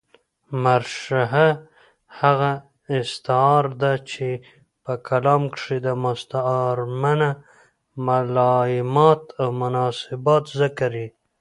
مرشحه هغه استعاره ده، چي په کلام کښي د مستعارمنه ملایمات اومناسبات ذکر يي.